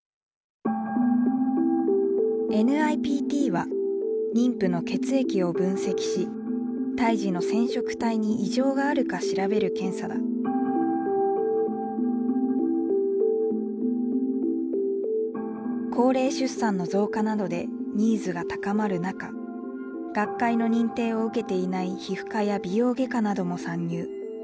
ＮＩＰＴは妊婦の血液を分析し高齢出産の増加などでニーズが高まる中学会の認定を受けていない皮膚科や美容外科なども参入。